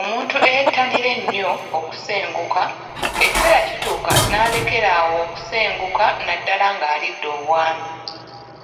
Omuntu eyeettanira ennyo okusenguka, ekiseera kituuka n’alekera awo okusenguka naddala ng’alidde obwami.